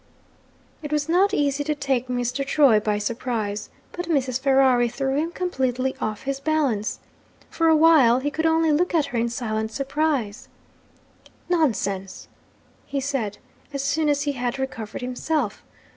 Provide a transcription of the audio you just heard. It was not easy to take Mr. Troy by surprise. But Mrs. Ferrari threw him completely off his balance. For a while he could only look at her in silent surprise. 'Nonsense!' he said, as soon as he had recovered himself.